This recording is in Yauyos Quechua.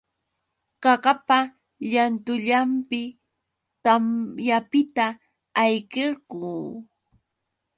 Qaqapa llantullanpi tamyapiqta ayqirquu.